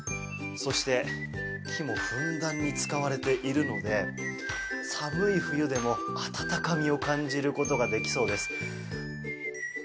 そして木もふんだんに使われているので寒い冬でも温かみを感じることができそうです。